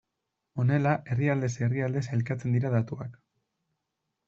Honela herrialdez herrialde sailkatzen dira datuak.